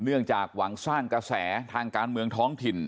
เนื่องจากหวังสร้างกระแสทางการเมืองท้องถิ่น